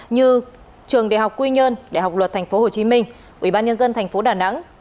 như trường đại học quy nhơn đại học luật tp hcm ủy ban nhân dân tp đà nẵng